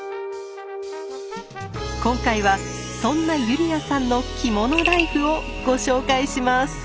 今回はそんなユリアさんの着物ライフをご紹介します。